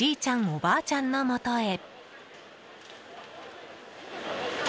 おばあちゃんのもとへ。